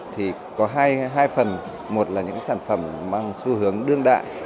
thì có hai phần một là những sản phẩm mang xu hướng đương đại